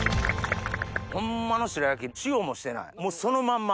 ホンマの白焼き塩もしてないもうそのまんま。